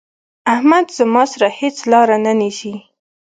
احمد زما سره هيڅ لار نه نيسي.